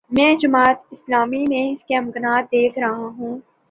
میں جماعت اسلامی میں اس کے امکانات دیکھ رہا ہوں۔